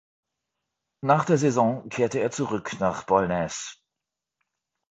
Nach der Saison kehrte er zurück nach Bollnäs.